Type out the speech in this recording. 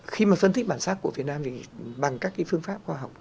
khi mà phân tích bản sắc của việt nam thì bằng các cái phương pháp khoa học